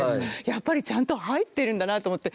やっぱり、ちゃんと入ってるんだなと思って。